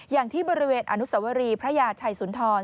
อย่างที่บริเวณอนุสวรีพระยาชัยสุนทร